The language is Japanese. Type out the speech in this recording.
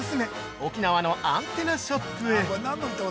沖縄のアンテナショップへ。